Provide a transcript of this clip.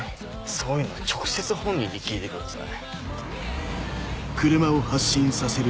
そういうのは直接本人に聞いてください。